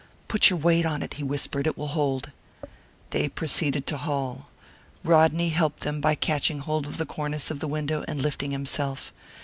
"Put your weight on it," he whispered. "It will hold." They proceeded to haul. Rodney helped them by catching hold of the cornice of the window and lifting himself.